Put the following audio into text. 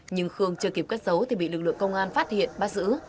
nhưng khương chưa kịp cất giấu thì bị lực lượng công an phát hiện bắt giữ